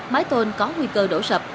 máy tôn có nguy cơ đổ sập